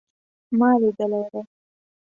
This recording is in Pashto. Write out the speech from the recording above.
ما لیدلی دی